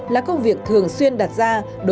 là công việc thường xuyên đặt ra